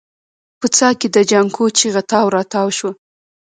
په څاه کې د جانکو چيغه تاو راتاو شوه.